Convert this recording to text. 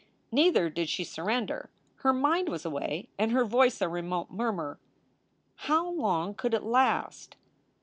Neither did she surrender. Her mind was away, and her voice a remote murmur: "How long could it last?"